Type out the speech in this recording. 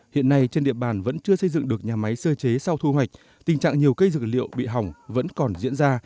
hiện nay trên địa bàn vẫn chưa xây dựng được nhà máy sơ chế sau thu hoạch tình trạng nhiều cây dược liệu bị hỏng vẫn còn diễn ra